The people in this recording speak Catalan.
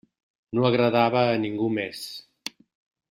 No agradava a ningú més.